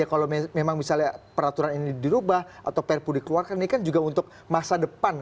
kalau memang misalnya peraturan ini dirubah atau perpu dikeluarkan ini kan juga untuk masa depan